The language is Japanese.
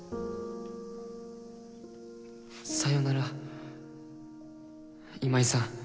さよなら今井さん。